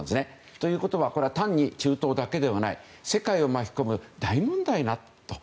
ということは単に中東だけではない世界を巻き込む大問題だと。